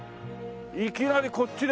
いきなりこっちで。